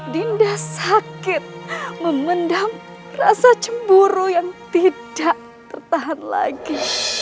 dinda sakit memendam rasa cemburu yang tidak tertahan lagi